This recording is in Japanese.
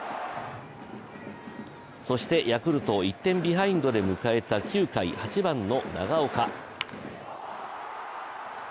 そしてヤクルト、１点ビハインドで迎えた９回、８番の長岡。